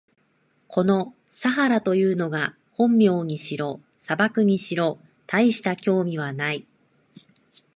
このサハラというのが本名にしろ、砂漠にしろ、たいして興味はない。